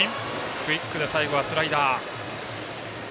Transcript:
クイックで最後はスライダー。